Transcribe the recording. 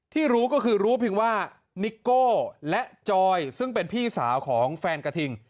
รู้ก็คือรู้เพียงว่านิโก้และจอยซึ่งเป็นพี่สาวของแฟนกระทิง